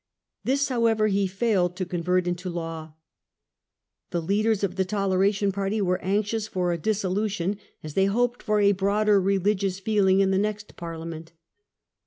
This, however, he failed to convert into law. The leaders of the Toleration party were anxious for a dissolution, as they hoped for a broader religious feeling in the next Parliament.